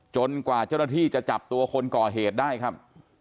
กว่าเจ้าหน้าที่จะจับตัวคนก่อเหตุได้ครับ